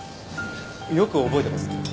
よく覚えてますね。